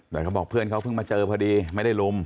แต่เขาบอกเพื่อนเขาเพิ่งมาเจอพอดีไม่ได้ลุม